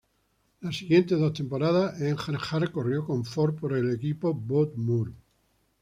Las siguientes dos temporadas, Earnhardt corrió con Ford por el equipo Bud Moore.